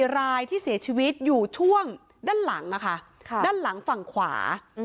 รายที่เสียชีวิตอยู่ช่วงด้านหลังด้านหลังฝั่งขวา